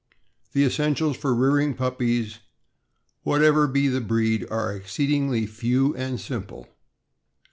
The essentials for rearing puppies, whatever be the breed, are exceedingly few and simple.